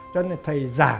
cho nên thầy giảng